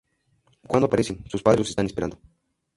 Cuando aparecen, sus padres los están esperando.